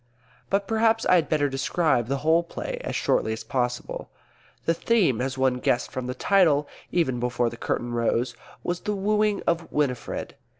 But perhaps I had better describe the whole play as shortly as possible. The theme as one guessed from the title, even before the curtain rose was the wooing of Winifred.